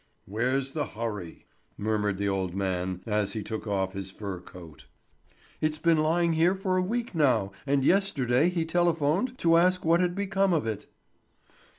"Where's the hurry?" murmured the old man as he took off his fur coat. "It's been lying here for a week now, and yesterday he telephoned to ask what had become of it."